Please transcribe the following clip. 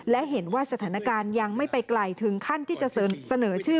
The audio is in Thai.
และเห็นว่าสถานการณ์ยังไม่ไปไกลถึงขั้นที่จะเสนอชื่อ